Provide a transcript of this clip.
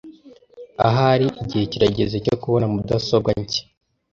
Ahari igihe kirageze cyo kubona mudasobwa nshya.